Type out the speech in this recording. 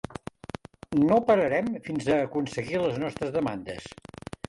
No pararem fins a aconseguir les nostres demandes.